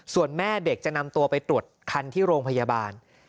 ส่วนแม่เด็กจะนำตัวไปตรวจคันที่โรงพยาบาล